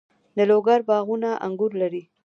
د لوګر باغونه انګور لري.